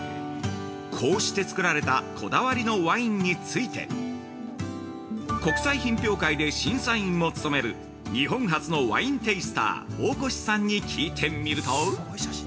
◆こうしてつくられたこだわりのワインについて国際品評会で審査員も務める日本初のワインテイスター大越さんに聞いてみると？